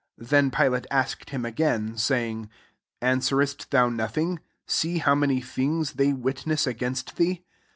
4 Then Pilate asked him again, saying, ^ Answerest thou nothing \ see how many things they witness against thee.